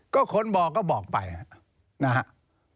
ก็คนบอกก็บอกไปนะครับ